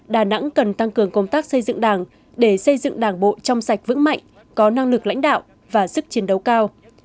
đà nẵng cần tăng cường công tác xây dựng đảng để xây dựng đảng bộ trong sạch vững mạnh có năng lực lãnh đạo và sức chiến đấu cao